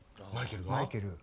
マイケルが？